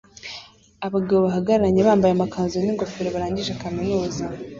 Abagabo bahagararanye bambaye amakanzu n'ingofero barangije kaminuza